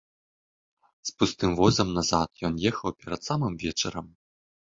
З пустым возам назад ён ехаў перад самым вечарам.